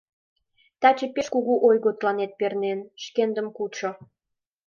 Таче пеш кугу ойго тыланет пернен, шкендым кучо...